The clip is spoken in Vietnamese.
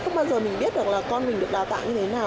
không bao giờ mình biết được là con mình được đào tạo như thế nào